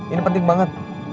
ini penting banget